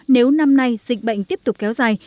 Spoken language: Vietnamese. nếu năm nay dịch bệnh tiếp tục kéo dài